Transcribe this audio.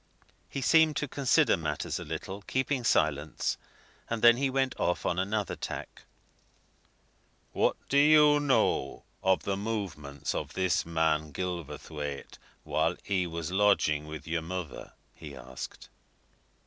He seemed to consider matters a little, keeping silence, and then he went off on another tack. "What do you know of the movements of this man Gilverthwaite while he was lodging with your mother?" he asked.